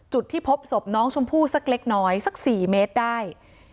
จุดที่พบศพน้องชมพู่สักเล็กน้อยสัก๔เมตรได้